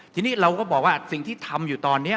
ทีนี้เราก็บอกว่าสิ่งที่ทำอยู่ตอนนี้